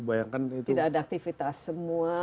tidak ada aktivitas semua